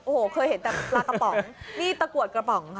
โอ้โหเคยเห็นแต่ปลากระป๋องนี่ตะกรวดกระป๋องค่ะ